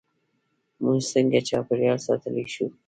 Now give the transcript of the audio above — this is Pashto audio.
موږ څنګه چاپیریال ساتلی شو؟